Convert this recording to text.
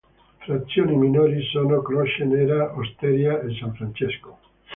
Frazioni minori sono Croce Nera, Osteria e San Francesco.